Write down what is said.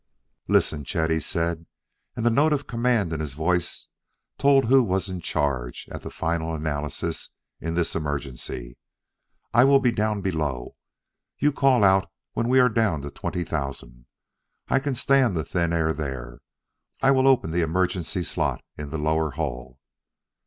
"Listen, Chet," he said, and the note of command in his voice told who was in charge, at the final analysis, in this emergency. "I will be down below. You call out when we are down to twenty thousand: I can stand the thin air there. I will open the emergency slot in the lower hull."